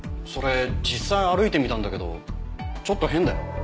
それ実際歩いてみたんだけどちょっと変だよ。